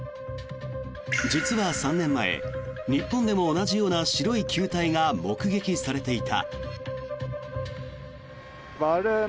実は３年前、日本でも同じような白い球体が目撃されていた。